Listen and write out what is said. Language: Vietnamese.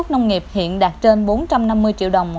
nông nghiệp hiện đạt trên bốn trăm năm mươi triệu đồng